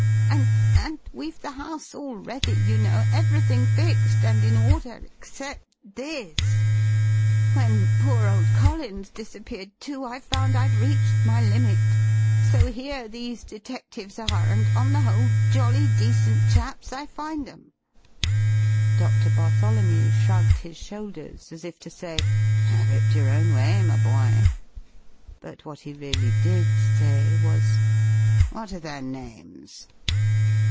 And and we've the house all ready, you know, everything fixed and in order, except this. When poor old Collins disappeared, too, I found I'd reached my limit. So here these detectives are, and, on the whole, jolly decent chaps I find 'em." Doctor Bartholomew shrugged his shoulders as if to say, "Have it your own way, my boy." But what he really did say was: "What are their names?"